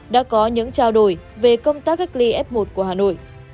đã có những trao đổi về công tác cách ly f một của hà nội